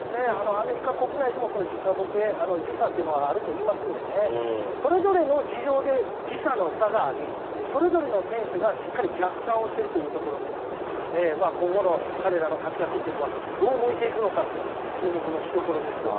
アメリカ国内でも、時差ぼけ、時差というのはあるといいますんでね、それぞれの事情で時差の差があり、それぞれの選手がしっかり逆算をしてるというところに、今後の彼らの活躍というのは、どう向いていくのかっていうのも、注目のしどころですよね。